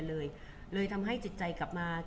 คุณผู้ถามเป็นความขอบคุณค่ะ